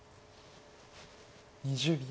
２０秒。